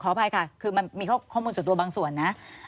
อภัยค่ะคือมันมีข้อมูลส่วนตัวบางส่วนนะ